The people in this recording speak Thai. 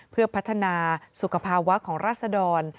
เพื่อพัฒนาสุขภาวะของราศดร